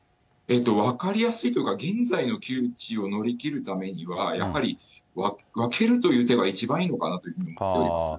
分かりやすいというか、現在の窮地を乗り切るためには、やはり分けるという手が一番いいのかなというふうに思っております。